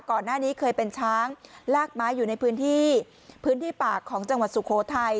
ก่อนหน้านี้เคยเป็นช้างลากไม้อยู่ในพื้นที่พื้นที่ปากของจังหวัดสุโขทัย